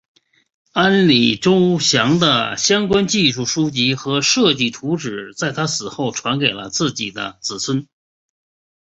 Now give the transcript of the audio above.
安里周祥的相关技术书籍和设计图纸在他死后传给了自己的子孙。